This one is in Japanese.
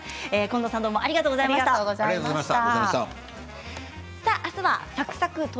近藤さんどうもありがとうございました。